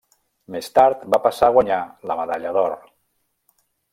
Més tard, va passar a guanyar la medalla d'or.